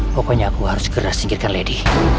pokoknya aku harus keras singkirkan lady